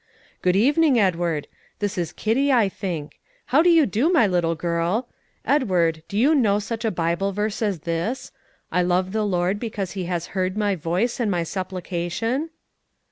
"Good evening, Edward. This is Kitty, I think. How do you do, my little girl? Edward, do you know such a Bible verse as this: 'I love the Lord, because He has heard my voice and my supplication'?"